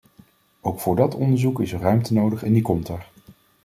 Ook voor dat onderzoek is ruimte nodig en die komt er.